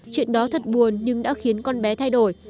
chuyện đó thật buồn nhưng đã khiến con bé thay đổi